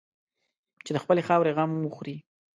چې د خپلې خاورې غم وخوري.